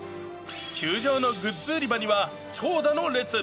球場のグッズ売り場には長蛇の列。